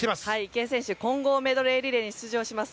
池江さんは混合メドレーリレーに登場します。